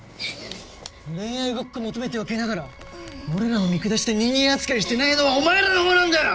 恋愛ごっこ求めておきながら俺らを見下して人間扱いしてないのはお前らの方なんだよ！